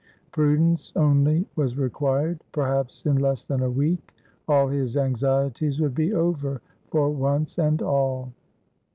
Prudence only was required; perhaps in less than a week all his anxieties would be over, for once and all.